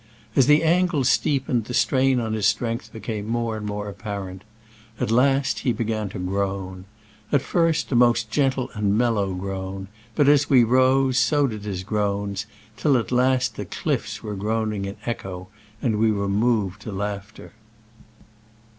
As the angles steepened the strain on his strength became more and more appa rent. At last he began to groan. At first a most gentle and mellow groan, but as we rose so did his groans, till at last the cliffs were groaning in echo and we were moved to laughter.